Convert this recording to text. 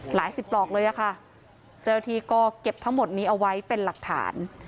หลายสิบปลอกเลยอะค่ะเจ้าหน้าที่ก็เก็บทั้งหมดนี้เอาไว้เป็นหลักฐาน